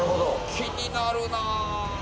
気になるな。